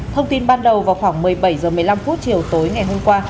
thông tin ban đầu vào khoảng một mươi bảy h một mươi năm chiều tối ngày hôm qua